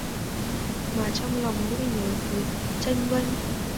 Mà trong lòng nỗi nhớ cứ chênh vênh